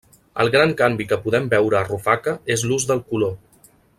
El gran canvi que podem veure a Rufaca és l’ús del color.